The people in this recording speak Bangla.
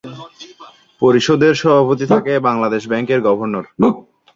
পরিষদের সভাপতি থাকে বাংলাদেশ ব্যাংকের গভর্নর।